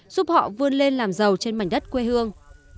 giúp họ vươn lên làm giàu trên mảnh đất quê hương